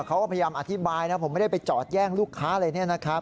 เขาพยายามอธิบายนะครับผมไม่ได้ไปจอดแย่งลูกค้าเลยนี่นะครับ